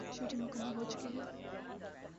shooting مکمل ہوچکی ہے